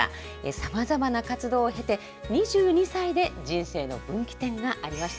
さまざまな活動を経て、２２歳で人生の分岐点がありました。